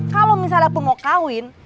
kalau misalnya pengukawin